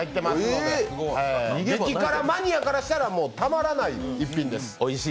激辛マニアからしたらたまらない１品です。